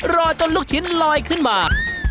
รอจนลูกชิ้นลอยขึ้นมา